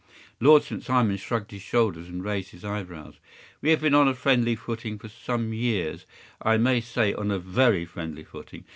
” Lord St. Simon shrugged his shoulders and raised his eyebrows. “We have been on a friendly footing for some years—I may say on a very friendly footing.